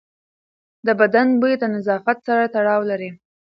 د بدن بوی د نظافت سره تړاو لري.